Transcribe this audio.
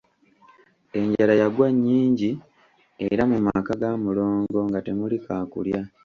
Enjala yagwa nnyingi era mu maka ga Mulongo nga temuli kaakulya.